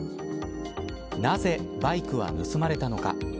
なぜバイクは盗まれたのか。